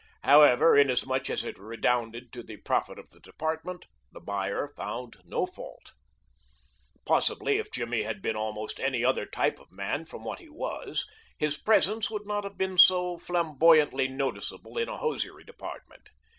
However, inasmuch as it redounded to the profit of the department, the buyer found no fault. Possibly if Jimmy had been almost any other type of man from what he was, his presence would not have been so flamboyantly noticeable in a hosiery department.